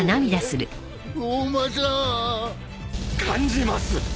感じます